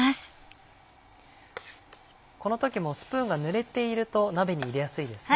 この時もスプーンがぬれていると鍋に入れやすいですね。